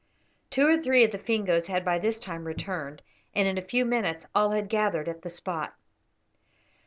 Two or three of the Fingoes had by this time returned, and in a few minutes all had gathered at the spot.